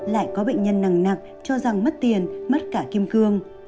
lại có bệnh nhân nặng cho rằng mất tiền mất cả kim cương